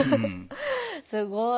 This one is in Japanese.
すごい。